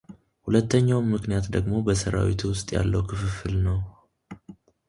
ሁለተኛው ምክንያት ደግሞ በሠራዊቱ ውስጥ ያለው ክፍፍል ነው።